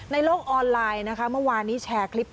ในโลกออนไลน์นะคะเมื่อวานนี้แชร์คลิป